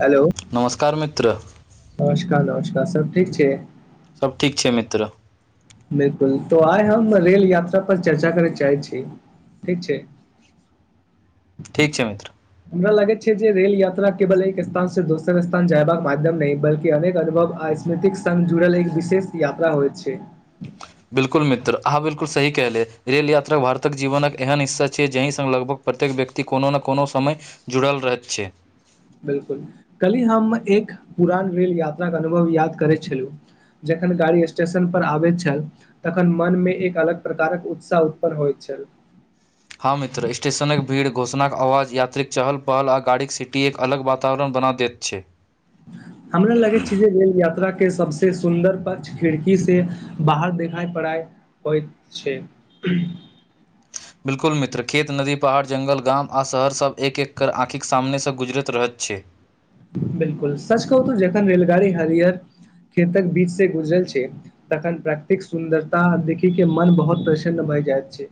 Hello नमस्कार मित्र नमस्कार नमस्कार सब ठीक छी सब ठीक छै मित्र बिलकुल तो आइ हम रेल यात्रा पर चर्चा करय चाहै छी ठीक छै ठीक छै मित्र हमरा लागैत छै जे रेल यात्रा केवल एक स्थान से दोसर स्थान जयबाक माध्यम नहि बल्कि अनेक अनुभव आ [unintelligible] संग जुड़ल एक विशेष यात्रा होइ छै बिलकुल मित्र अहाँ बिल्कुल सही कहलियै रेल यात्रा भारतक जीवनक एहन हिस्सा छियै जाही स लगभग प्रत्येक व्यक्ति कोनो ने कोनो समय जुड़ल रहैत छै बिलकुल कल्हि हम एक पुरान रेल यात्राके अनुभव याद करै छल्हु जखन गाड़ी स्टेशन पर आबै छल तखन मन मे एक अलग प्रकारक उत्साह उत्पन्न होइ छल हँ मित्र स्टेशनक भीड़ घोषणाक आवाज यात्रीक चहल पहल आ गाड़ीक सीटीक अलग वातावरण बना दैत छै ह हमरा लगै छै जे रेल यात्रा के सबसे सुंन्दर पक्ष खिड़की से बाहर देखाय पड़ाय होइत छै बिलकुल मित्र खेत नदी पहाड़ जंगल गाम आ शहर सभ एक एक आँखिक सामनेसँ गुजरति रहैत छै बिलकुल सच कहू त जखन रेलगाड़ी हरयर खेतक बीच स गुजरल छै तखन प्रकतिक सुन्दरता देखी के मन बहुत प्रसन्न भय जायत छै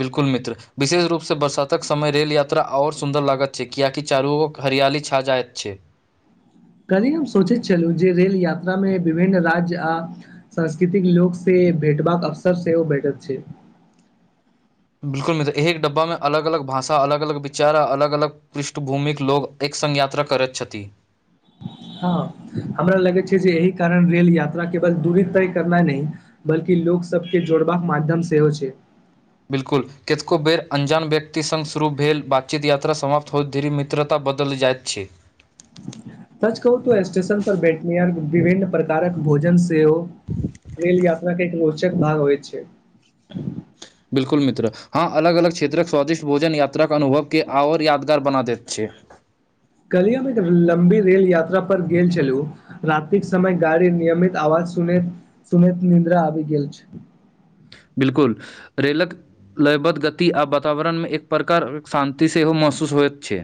बिलकुल मित्र विशेष रूपसँ बरसातक समय रेल यात्रा आओर सुन्दर लागत छै कियाकि चारु उक हरआली छा जायत छै कल्ही हम सोचति छलहुँ जे रेल यात्रामे विभिन्न राज्य आ सांस्कृतिक लोकसे भेटबाक अवसर सेहो भेटत छै बिल्कुल मित्र एक डब्बामे अलग अलग भाषा अलग अलग विचारा आ अलग अलग पृष्ठभूमिक लोक एक संग यात्रा करैत छथि हँ हमरा लगैत छै जे एहि कारण रेल यात्रा केवल दूरी तय करनाय नहि बल्कि लोक सबके जोड़बाक माध्यम सेहो छै बिलकुल केतको बेर अन्जान व्यक्ति संग शुरू भेल बातचीत यात्रा समाप्त होयत धीरी मित मित्रता बदलि जाइत छै तच कहू तो स्टेशन पर बैठनीयार विभिन्न प्र कारक भोजन सेहो रेल यात्रा के एक रोचक भाग होइ छै ह बिलकुल मित्र हँ अलग अलग क्षेत्रक स्वादिष्ट भोजन यात्राक के अनुभव के आओर यादगार बना देैत छै कलियामे एक लम्बी रेल यात्रा पर गेल छलू रतििक समय गाड़ी निियमित आवाज सुने त निद्रा आवि गेल छै बिलकुल रेलक लयबद्ध गति आ वातावरणमे एक प्रकार शान्ति सेहो महसूस होइत छै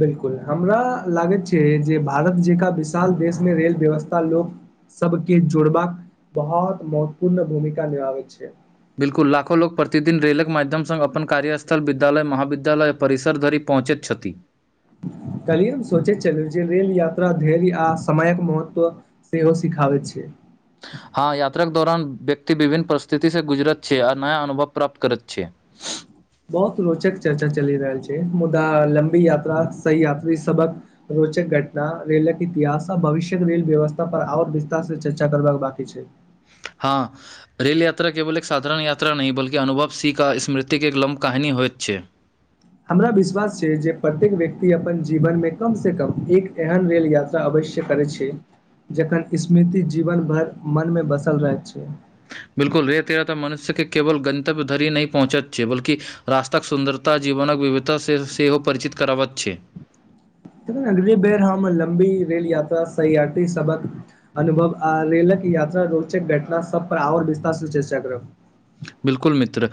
बिलकुल हमरा लागैत छै जे भारत जेकाँ विशाल देशमे रेल व्यवस्था लोक सबके जोड़बाक बहुत महत्वपूर्ण भूमिका निभाबैत छै बिल्कुल लाखोग प्रतिदिन रेलक माध्यम सङ् अपन कार्यस्थल विद्यालय महाविद्यालय आ परिसर धरि पहुँचैतिछथि कलियम सोचे चले जे रेल याता धैर्य आ समयक महत्व से हो। दखाबैत छै हँं यात्राक के दौरान व्यक्ति विभिन्न परिस्थिति से गुजरत छै आ नया अनुभव प्राप्त करैत छै बहुत रोचक चर्चा चलि रहल छै मुदा लम्बी यात्रा सही यात्री सबक रोचक घटना रेलके इतिहास आ भविष्यक रेल व्यवस्था पर आओर विस्तार से चर्चा करबाक बाकी छै हँ रेल यात्रा केवल एक साधारण यात्रा नहि बल्कि अनुभव सी का स्मृतिके एक लम् कहाहानी होत छै हमरा विश्वास छै जे प्रत्येक व्यक्ति अपन जीवन मे कम से कम एक एहन रेल यात्रा अवश्य करै छै जखन स्मृति जीवन भर मनमे बसल रहैत छै बिलकुल रेतेरा तऽ मनुष्यके केवल गंतव्य धरिह पहुँचत छै बल्कि रास्ताक सुन्दरता जीवनक विविधता से सेहो परिचित कराबैत छै एहि। बेर हम लमबी रेेल यात्रा सेयात्रि सबक अनुभव आ रेलक याता रोचक घटना सब पर आओर विस्तार चर्चा कर्रह बिलकुल मित्र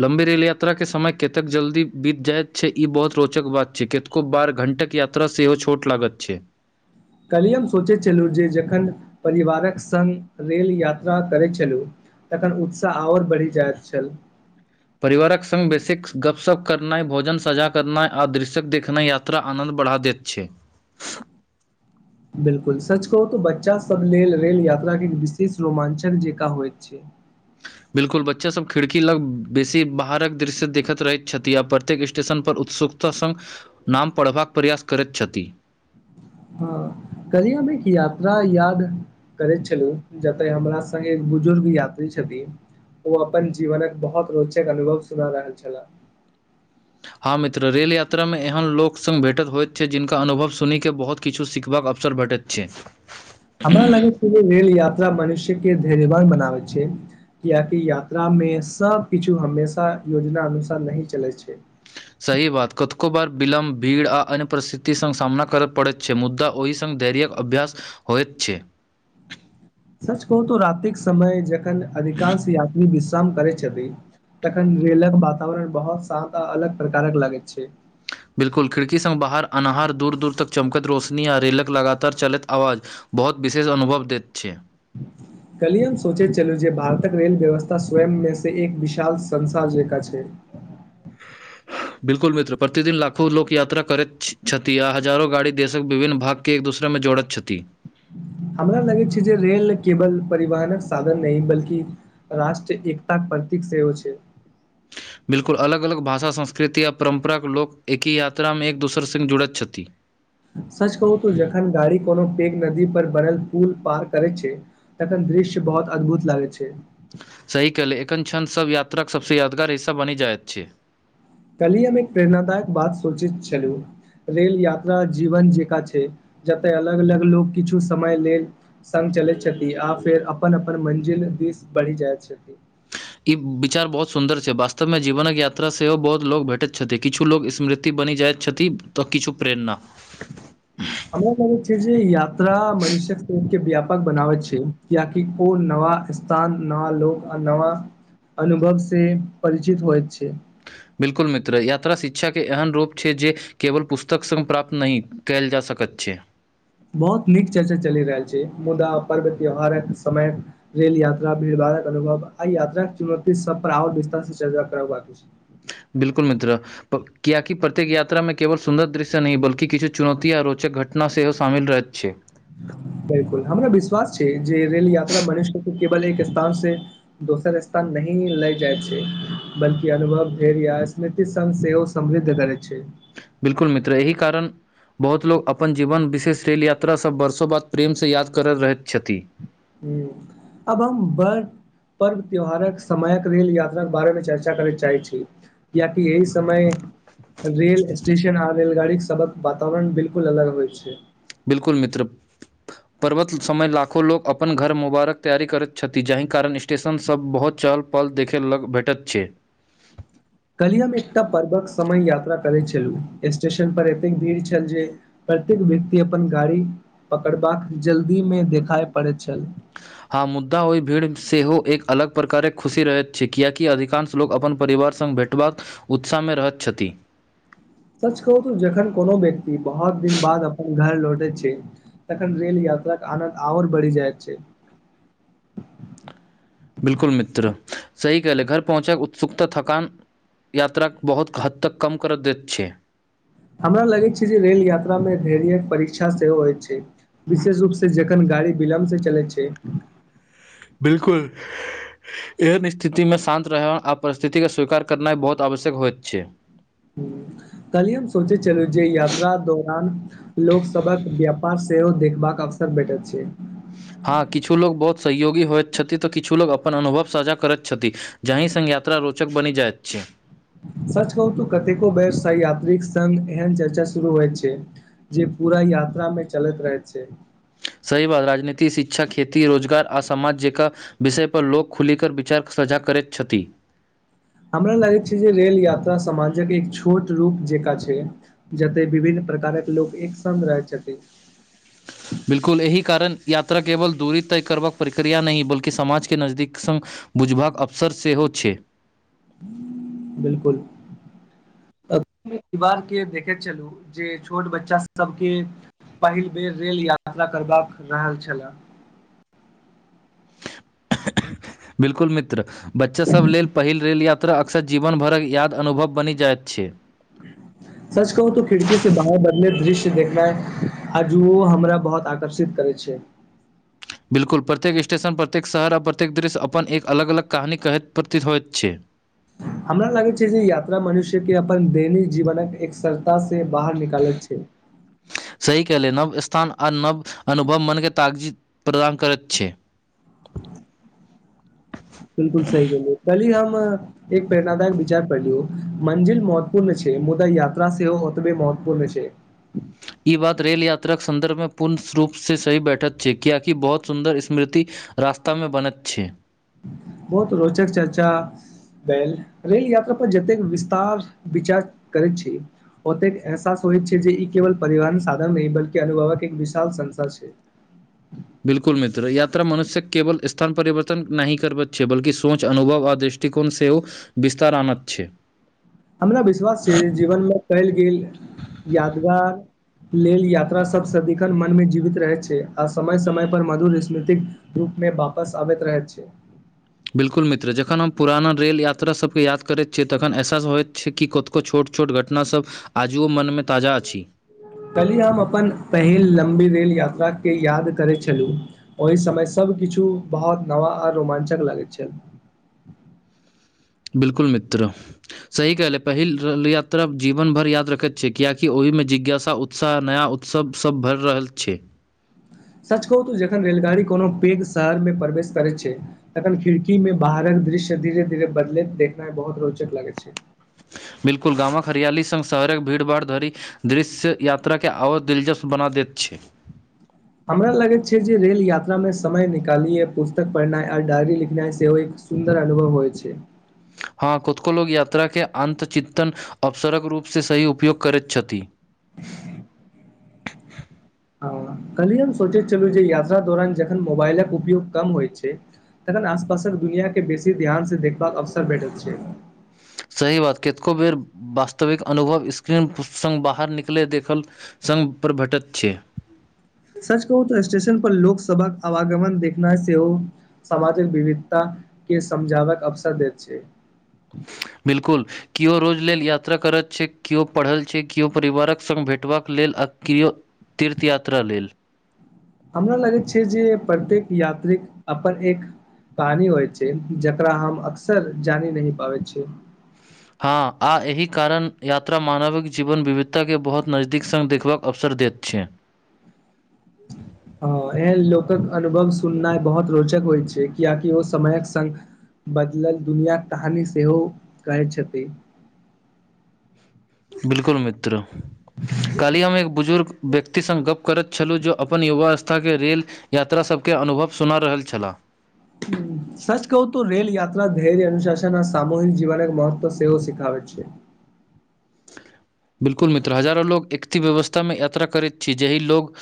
लम्बी रेल यात्राके समय कतेक जल्दी बीत जाइत छै ई बहुत रोचक बात छै कुब बार घण्टक यात्रा सेहो छोट लागत छै कल्िय हम सोचै छलहुँ जे जखन परिवारक सङ्ग रेल यात्रा करैत छलहुँ तखन उत्साह आओर बढ़ि जाइत छल परिवारक संग बेसिक गपशप करनाइ भोजन सजा करनाइ आदृश्य देखनाइ यात मात्र आनन्द बढ़ा दैत छै [inaudible] बिलकुल सच कहू तऽ बच्चा सभ लेल रेल यात्रा के एक विशेष रोमाञ्चक जेका होइत छै बिल्कुल बच्चा सभ खिड़की लग बेसी बाहरक दृश्य देखैत रहैत छथि आ प्रत्येक स्टेशन पर उत्सुक प्र सङ्ग नाम पढ़बाक प्रयास करैत छथि हँ करीयो ना की यात्रा याद कहैत छलहुँ जतय हमरा सङ्गे एक बुजुर्ग यात्री छथिन ओ अपन जीवनक बहुत रोचक अनुभव सुना रहल छेला हँ मित्र रेल यात्रा में एहन लोक स भेटत होयत छै जिनका अुभव सुन के बहुत किछु सिखबाक अवसर भेटैत छै [inaudible] हमरा लगै छै जे रेल यात्रा मनुष्य के धैर्यवान बनाबै छै येकि यात्रामे सबकछु हमेशा योजना अनुसार नही चलै छै सही बात कतको बार विलम्ब भीड़ आ अन्य परिस्थिति सँ सामना करय पड़ैत छै मुद्दा ओहि संग धैर्यक अभ्यास होयत छै सच कहू तो रातिक समय जखन अधिकांश यात्री विश्राम करै छथि तखन नेलक वातावरण बहुत शान्त आ अलग प्रकारक लगैत छै बिल्कल खिड़की सब मे बाहर अन्हार दूर दूर तक चमकत रोशनी आ रेलक लगातार चलैत आवाज बहुत विशेष अनुभव देत छै कल्हि हम सोचैत छलू जे भारतक रेल व्यवस्था स्वयं मे से एक विशाल संसार जका छै बिल्कुल मित्र प्रतिदिन लाखो लोक यात्रा करैत छथि आ हजारो गाड़ी देशक विभिन्न भाग के एक दुसरे मे जौड़त क्षति हमरा लगै छै जे रेल केवल परिवहनक साधन नहि बल्कि राष्ट्र एकता प्रतीक सेहो छै बिल्कुल अलग अलग भाषा संस्कृति आ परम्परा क लोक एक ही यात्रा मे एक दोसर संग जुड़ैत छथि सच कहू तू जखन गाड़ी कोनो पेघ नदी पर बनल पुल पार करै छै तखन दृश्य बहुत अद्भुत लागै छै सही कलै एखन क्षंद सब यात्राक सबसँ यादगार हिस्सा बनि जाइत छै कल्हि हम एक प्रेरणादायक बात सोचैत छलु रेल यात्रा जीवन जेकाँ छै जतय अलग अलग लोग किछु समय लेल संग चलैत छथि आ फेर अपन अपन मंजिल दिस बढ़ि जाइत छथि ई विचार बहुत सुन्दर छै वास्तव मे जीवन क यात्रा सेहो बहुत लोग भेटैत छथि किछु लोग स्मृति बनि जाइत छथि तऽ किछु प्रेरणा [inaudible] हमरा लागै छै जे यात्रा मनुष्य्यक सोच के व्यापक बनाबैत छै कियकि को नवा सान न लोक आ नवा अनुभव से परिचित होइत छै बिल्कुल मित्र यात्रा शिक्षा के एहन रूप छै जे केवल पुस्तक संग प्राप्त नही कायल जा सकैत छै बहुत नीक चर्चा चलि रहल छै मुदा पर्व त्योहारक समय रेल यात्रा भीड़ भाड़क अनुभव आई यात्रा चुनौती सब पर आओ विस्तार से चर्चा करात छै बिल्कुल मित्र किया की प्रत्येक यात्रा मे केवल सुन्दर दृश्य नहि बल्कि किछु चुनौती आ रोचक घट टना सेहो शामिल रहैत छै बिल्कुल हमरा विश्वास छै जे रेल यात्रा मनुष्य के केवल एक स्थान से दोसर स्थान नहि लएग जाइ छै बल्कि अनुभव धैर्य या स्मृति संग सेहो [unintelligible] करै छै बिल्कुल मित्र अहि कारण बहुत लोक अपन जीवन विशेष रेल यात्रा सँ वर्षों बाद प्रेम सँ याद करैत रहैत छथि हूँ अब हम बै पर्व त्यौहारक समयक रेल यात्राक बारेमे चर्चा करय चाहैत छी किएति एहि समय रेल स्टेशन आ रेलगाड़ी सबक वातावरण बिल्कुल अलग होय छै बिल्कुल मित्र पर्वत समय लाखो लोक अपन घर मुबारक तैयारी करैत छथि जाहि कारण स स्टेशन सब बहुत चहल पहल देखय लग भेटैत छै। काल्हि हम एकटा पर्वक समय यात्रा करैत छलु स्टेशन पर एतेक भीड़ छल जे प्रत्येक व्यक्ति अपन गाड़ी पकड़बाक जल्दीमे देखाइ पड़ैत छल हाँ मुद्दा ओहि भीड़ सेहो एक अलग प्रकारक खुशी रहैत छै कियाकि अधिकांश लोक अपन परिवार संग भेटबाक उत्साह मे रहत छथि सच कहू तू जखन कोनो व्यक्ति बहुत दिन बाद अपन घर लौटै छै। तखन रेल यात्रा कऽ आनन्द आओर बैढ़ जाइत छै। बिलकुल मित्र सही कहलिऐ घर पहुँचक उत्सुकता थकान यात्राक बहुत हद तक कम करऽ दैत छै। हमरा लगै छै जे रेल यात्रामे धैर्यक परीक्षा सेहो होइत छै विशेष रूप से जखन गाड़ी विलम्ब से चलै छै। बिलकुल एहन स्थिति मे शान्त रहय आ परिस्थितिकेँ स्वीकार करनाइ बहुत आवश्यक होइत छै काल्हि हम सोचे छलू जे यात्रा दौरान लोक सबहक व्यापार सेहो देखबाक अवसर भेठैत छै हँ किछु लोग बहुत सहयोगी होइत छथि तऽ किछु लोग अपन अनुभव सांझा करैत छथि जाही सँ यात्रा रोचक बनि जाइत छै। सच कहू तो कतेको बेवसाइ यात्रिक संग एहन चर्चा शुरू होइत छै जे पूरा यात्रा मे चलैत रहै छै। सही बात राजनीति शिक्षा खेती रोजगार आ समाज जकाँ विषय पर लोक खुली कर विचार कऽ साझा करैत छथि हमरा लागैत छै जे रेल यात्रा समाजक एक छोट रूप जेकाँ छै जते विभिन्न प्रकारक लोक एक संग रहै छथि बिल्कुल एहि कारण यात्रा केवल दूरी तय करबाक प्रक्रिया नहि बल्कि समाज केँ नजदीक संग बुझबाक अवसर सेहो छै। बिलकुल। परिवार केँ देखैत छलू जे छोट बच्चा सब केँ पहिल बेर रेल यात्रा करबाक रहल छला बिल्कुल मित्र बच्चा सभ लेल पहिल रेल या त्रा अक्सर जीवन भरक याद अनुभव बनि जाइत छै। [inaudible] सच कहू तो खिड़की से बाहर बदल दृश्य देखनाई आजूओ हमरा बहुत आकर्षित करै छै बिल्कुल प्रत्येक स्टेशन प्रत्येक शहर आ प्रत्येक दृश्य अपन एक अलग अलग कहानी कहैत प्रती होइत छै हमरा लागैत छै जे यात्रा मनुष्य केँ अपन दैनिक जीवन क एकसरता से बाहर निकालैत छै। सही कहलिऐ नव स्थान आ नव अनुभव मन तागजी प्रदान करैत छै। बिल्कुल सही कहलिऐ कल्हि हम एक प्रेरणादायक विचार पढयौ मंजिल महत्वपूर्ण छै मुदा यात्रा सेहो ओतबे महत्वपूर्ण छै। ई बात रेल यात्राक सन्दर्भ मे पूर्ण रूप से सही बैठत छै क्याकि बहुत सुन्दर स्मृति रास्ता मे बनैत छै। बहुत रोचक चर्चा बैल रेल यात्रा पर जतेक विस्तार विचार करैत छी ओतेक एहसास होइत छै जे, ई केवल परिवहन साधन नहि बल्कि अनुभवक एक विशाल संसा छै। बिल्कुल मित्र यात्रा मनुष्य केवल स्थान परिवर्तन नहि करबैत छै बल्कि सोच अनुभव आ दृष्ट टी कोन सेहो विस्तार आनत छै हमरा विश्वास छै जीवन मे गैल यादगार लेल यात्रा सब सदिखन मन मे जीवित रहैत छै आ समय समय पर मधुर स्मृतिक रूप मे वापस आबैत रहैत छै बिल्कुल मित्र जखन हम पुराना रेल यात्रा सबके याद करैत छियै तखन एहसास होइत छै कि कतो को छोट छोट घटनासब आजुओ मनमे ताजा अछि। कल्हि हम अपन पहिल लम्बी रेल यात्राके याद करैत छली। ओय समय सबकिछु बहुत नव आ रोमाञ्चक लागैत छनि। बिल्कुल मित्र। सही कहले पहिल रे यात्रा जीवन भर याद रखैक छै कियाकि ओहिमे जिज्ञासा उत उत्साह नया उत्सव सब भरि रहल छै। सच कहु तऽ जखन रेलगाड़ी कोनो पैघ शहरमे प्रवेश करै छै तखन खिड़की मे बाहरक दृश्य धीरे धीरे बदलैत देखनाइ बहुत रोचक लगै छै। बिल्कुल गामक हरियाली संग शहरक भीड़भाड़ धरि दृश्य यात्राके आओर दिलजस्म बना दैत छै। हमरा लगैत छै जे रेल यात्रा मे समय निकाली ये पुस्तक पढ़नाइ आ डायरी लिखनाइ सेहो एक सुन्दर अनुभव होइ छै। हँ कुतेको लोक यात्राके अन्तःचिन्तन अवसरक रूपसँ सही उपयोग करैत छथि‌ हँ कल्हिये हम सोचैत छलु जे यात्रा दौरान जखन मोबालक उपयोग कम होइत छै तखन आसपासक दुनिया के बेसी ध्यान से देखबाक अवसर भेटै छै। सही बात कतेको बेर वास्तविक अनुभव स्क्रीन संग बाहर निकलै देखल संग पर भेटत छै। सच कहू तऽ स्टेशन पर लोक सभाक आवागमन देखनाइ सेहो सामाजिक विविधता के समझावक अवसर दैत छै। बिलकुल किओ रोज लेल यात्रा करैत छै किओ पढ़ल छै किओ परिवारक सङ्ग भेटबाक लेल आ किओ तीर्थयात्रा लेल। हमरा लगैत छै जे प्रत्येक यात्रीक अपन एक कहानी होइ छै जकरा हम अक्सर जानि नहि पाबैत छि। हँ आ एहि कारण यात्रा मानवक जीवन विविधता के बहुत नजदीक सं देखबाक अवसर दैत छै। [inaudible] हॅं एहन लोकक अनुभव सुननाइ बहुत रोचक होइ छै कियाकि ओ समयक संग बदलल दुनियाक कहानी सेहो कहैत छथिन बिलकुल मित्र काल्हि हम एक बुजुर्ग व्यक्तिसँ गप्प करैत छलहुँ जे अपन युवावस्था के ले रेल यात्रासबके अनुभव सुना रहल छलाह। सच कहू तऽ रेेल यात्रा धैर्य अनुशासन आ सामूहिक जीवनक महत्व सेहो सिखाबे छै। बिल्कुल मित्र हजारो लोग एतेक व्यवस्थामे यात्रा करैत छी जेहि लोग